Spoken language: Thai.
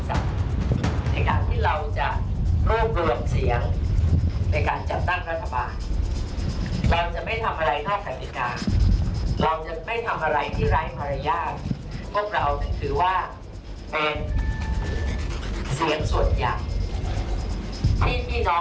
ก็พักที่บอกว่าได้เท่านั้นเท่านี้นะเฮีย